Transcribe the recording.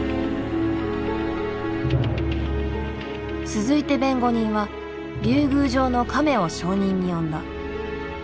続いて弁護人は竜宮城のカメを証人に呼んだ。